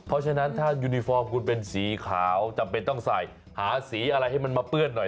เพราะฉะนั้นถ้ายูนิฟอร์มคุณเป็นสีขาวจำเป็นต้องใส่หาสีอะไรให้มันมาเปื้อนหน่อย